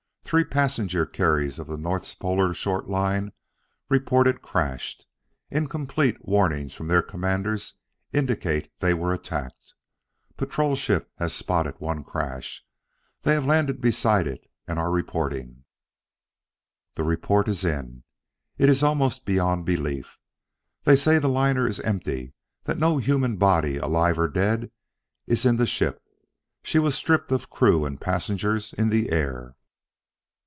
Three passenger carriers of the Northpolar Short Line reported crashed. Incomplete warnings from their commanders indicate they were attacked. Patrol ship has spotted one crash. They have landed beside it and are reporting.... "The report is in; it is almost beyond belief. They say the liner is empty, that no human body, alive or dead, is in the ship. She was stripped of crew and passengers in the air.